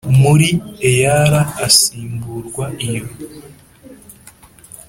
Muri eala asimburwa iyo